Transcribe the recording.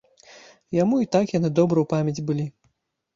Яму й так яны добра ў памяць былі.